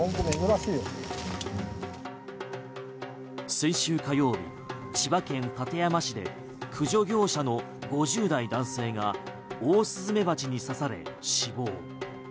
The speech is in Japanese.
先週火曜、千葉県館山市で駆除業者の５０代男性がオオスズメバチに刺され死亡。